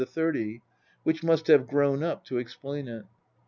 30, which must have grown up to explain it.